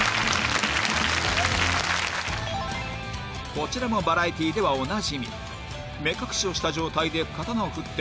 こちらもバラエティではおなじみ